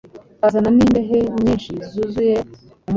bazana n'imbehe nyinshi zuzuye umufa